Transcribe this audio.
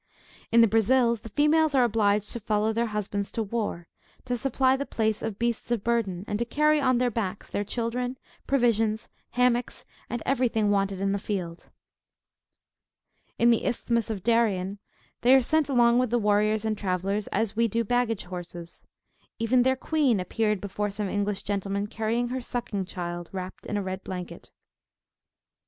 In the Brazils, the females are obliged to follow their husbands to war, to supply the place of beasts of burden, and to carry on their backs their children, provisions, hammocks, and every thing wanted in the field. In the Isthmus of Darien, they are sent along with warriors and travellers, as we do baggage horses. Even their Queen appeared before some English gentlemen, carrying her sucking child, wrapt in a red blanket.